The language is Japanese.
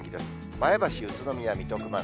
前橋、宇都宮、水戸、熊谷。